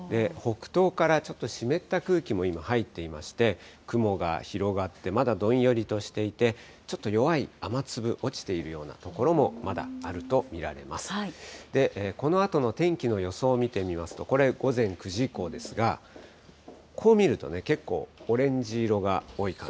北東からちょっと湿った空気も今、入っていまして、雲が広がって、まだどんよりとしていて、ちょっと弱い雨粒、落ちているような所このあとの天気の予想を見てみますと、これ、午前９時以降ですが、こう見ると、けっこう、そうなんですよね。